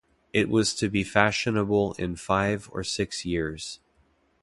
It was to be fashionable in five or six years.